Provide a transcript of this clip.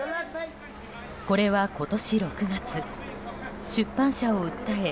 これは今年６月出版社を訴え